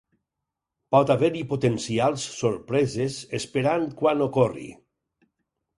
Pot haver-hi potencials sorpreses esperant quan ocorri.